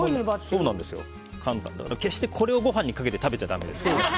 決して、これをご飯にかけて食べちゃだめです。